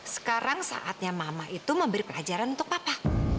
sekarang saatnya mama itu memberi pelajaran untuk papa